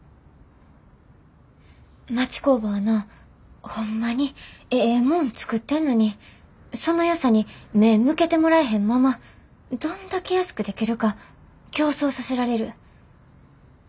町工場はなホンマにええもん作ってんのにそのよさに目ぇ向けてもらえへんままどんだけ安くできるか競争させられる。